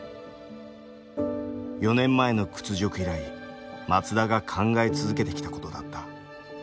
４年前の屈辱以来松田が考え続けてきたことだった。